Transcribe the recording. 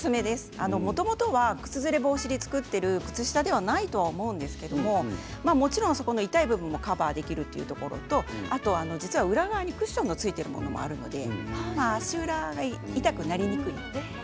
もともとは靴ずれ防止で作っている靴下ではないと思うんですけど痛い部分をカバーできるのと裏側にクッションがついているものがあって足裏が痛くなりにくいんです。